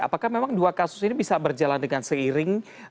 apakah memang dua kasus ini bisa berjalan dengan seiring